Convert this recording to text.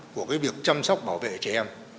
của cái việc chăm sóc bảo vệ trẻ em